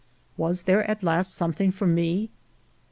Was there at last something for me